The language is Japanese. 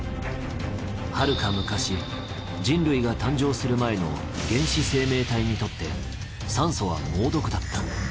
はるか昔人類が誕生する前の原始生命体にとって酸素は猛毒だった。